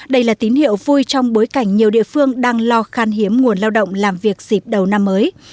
đây là tín hiệu vui trong bối cảnh nhiều địa phương đang lo khan hiếm nguồn lao động làm việc dịp đầu năm mới